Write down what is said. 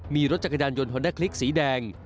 มีรถจักรยานยนต์ฮอนด้าคลิกสีแดง